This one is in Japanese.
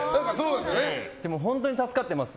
でも本当に助かっています。